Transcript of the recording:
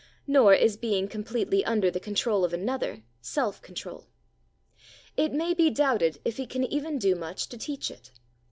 Nor is being completely under the control of another, self control. It may be doubted if it can even do much to teach it.